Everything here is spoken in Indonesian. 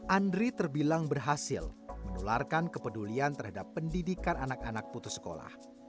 andri terbilang berhasil menularkan kepedulian terhadap pendidikan anak anak putus sekolah